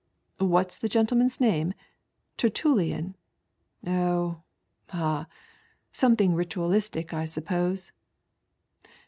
"What's the gentleman's name? Tertnllian ? Oh, ah, something ritualistic I suppose.